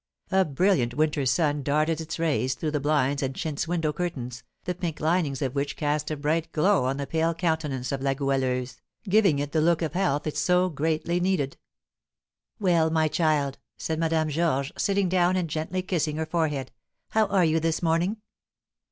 A brilliant winter's sun darted its rays through the blinds and chintz window curtains, the pink linings of which cast a bright glow on the pale countenance of La Goualeuse, giving it the look of health it so greatly needed. "Well, my child," said Madame Georges, sitting down and gently kissing her forehead, "how are you this morning?"